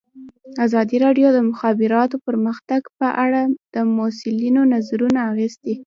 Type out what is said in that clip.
ازادي راډیو د د مخابراتو پرمختګ په اړه د مسؤلینو نظرونه اخیستي.